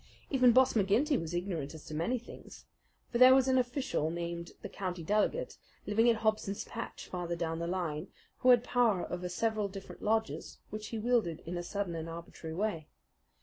Even Boss McGinty was ignorant as to many things; for there was an official named the County Delegate, living at Hobson's Patch farther down the line, who had power over several different lodges which he wielded in a sudden and arbitrary way.